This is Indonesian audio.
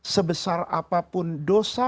sebesar apapun itu ada di tersebut